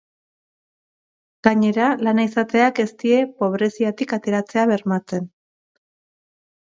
Gainera, lana izateak ez die pobreziatik ateratzea bermatzen.